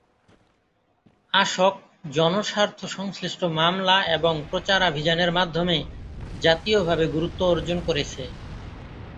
আসক জনস্বার্থসংশ্লিষ্ট মামলা এবং প্রচারাভিযানের মাধ্যমে জাতীয়ভাবে গুরুত্ব অর্জন করেছে।